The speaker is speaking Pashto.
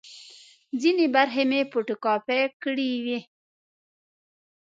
ځینې برخې مې فوټو کاپي کړې وې.